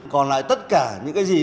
còn lại tất cả những cái gì